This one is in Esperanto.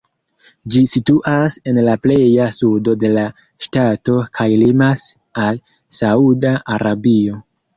Ĝi situas en la pleja sudo de la ŝtato kaj limas al Sauda Arabio.